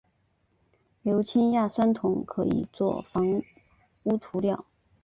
硫氰酸亚铜可以用作防污涂料。